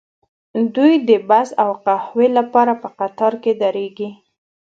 دوی د بس او قهوې لپاره په قطار کې دریږي